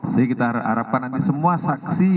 jadi kita harapkan nanti semua saksi